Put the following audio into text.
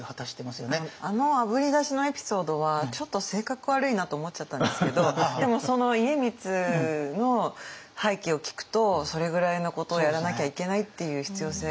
あのあぶり出しのエピソードはちょっと性格悪いなと思っちゃったんですけどでもその家光の背景を聞くとそれぐらいのことをやらなきゃいけないっていう必要性が。